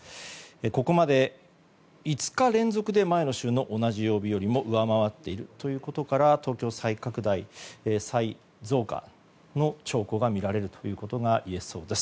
ここまで５日連続で前の週の同じ曜日よりも上回っているということから東京、再拡大再増加の兆候が見られるということがいえそうです。